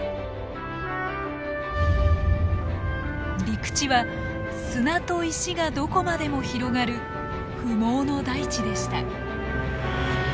陸地は砂と石がどこまでも広がる不毛の大地でした。